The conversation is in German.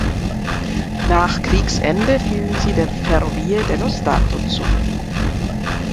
Nach Kriegsende fielen sie der Ferrovie dello Stato zu.